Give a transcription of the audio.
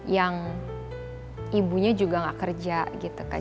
yang ibunya juga gak kerja gitu kan